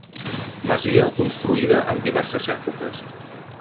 Masia construïda en diverses èpoques.